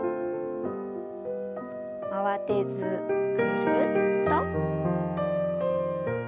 慌てずぐるっと。